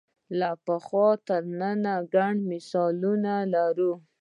له پخوا تر ننه ګڼ مثالونه لرو